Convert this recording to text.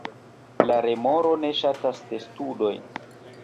La remoro ne ŝatas testudojn.